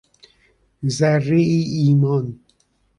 ذرهای ایمان